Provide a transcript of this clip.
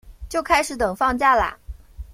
就开始等放假啦